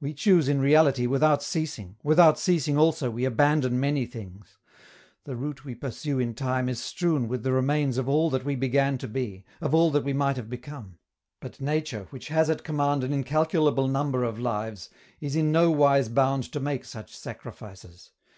We choose in reality without ceasing; without ceasing, also, we abandon many things. The route we pursue in time is strewn with the remains of all that we began to be, of all that we might have become. But nature, which has at command an incalculable number of lives, is in no wise bound to make such sacrifices.